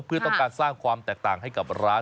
เพื่อต้องการสร้างความแตกต่างให้กับร้าน